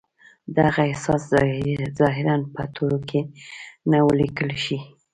دغه احساس ظاهراً په تورو کې نه و ليکل شوی.